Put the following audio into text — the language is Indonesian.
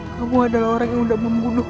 kamu adalah orang yang udah membunuh